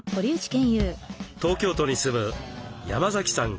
東京都に住む山崎さん